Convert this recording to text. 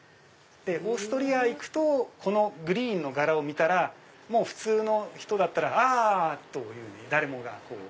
オーストリア行くとこのグリーンの柄を見たら普通の人だったらあ！というふうに誰もが。